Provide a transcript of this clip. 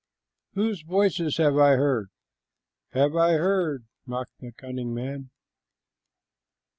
"Whose voices have I heard?" "Have I heard?" mocked the cunning man.